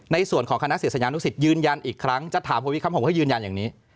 ในส่วนของคณะเสียสัญญานุสิตยืนยันอีกครั้งจะถามพระวิทย์คำของผมให้ยืนยันอย่างนี้